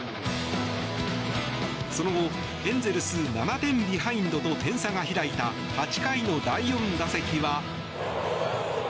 その後、エンゼルス７点ビハインドと点差が開いた８回の第４打席は。